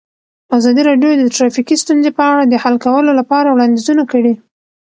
ازادي راډیو د ټرافیکي ستونزې په اړه د حل کولو لپاره وړاندیزونه کړي.